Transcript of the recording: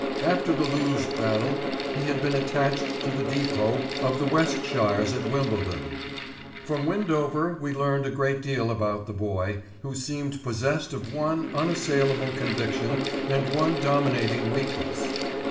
After the Loos battle he had been attached to the depot of the Westshires at Wimbledon. From Windover we learned a great deal about the Boy, who seemed possessed of one unassailable conviction and one dominating weakness.